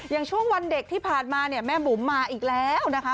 อย่างช่วงวันเด็กที่ผ่านมาเนี่ยแม่บุ๋มมาอีกแล้วนะคะ